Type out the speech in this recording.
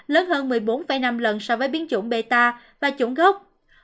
lớn hơn một mươi bốn năm lần so với biến chủng meta và chủng gốc